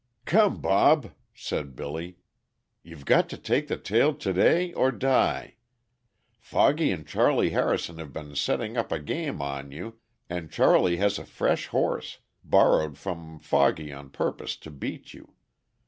"Come, Bob," said Billy, "you've got to take the tail to day or die. Foggy and Charley Harrison have been setting up a game on you, and Charley has a fresh horse, borrowed from Foggy on purpose to beat you.